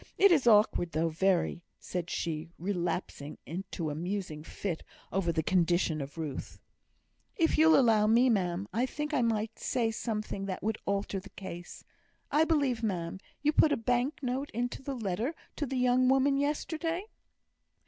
It is awkward though, very," said she, relapsing into a musing fit over the condition of Ruth. "If you'll allow me, ma'am, I think I might say something that would alter the case. I believe, ma'am, you put a bank note into the letter to the young woman yesterday?"